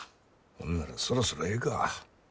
ほんならそろそろええか。